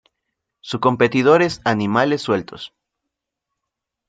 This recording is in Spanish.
Su competidor es: Animales sueltos.